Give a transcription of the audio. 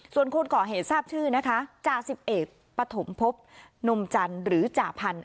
ส่วนคนก่อเหตุทราบชื่อนะคะจา๑๑ปฐมภพนมจันทร์หรือจาพันธุ์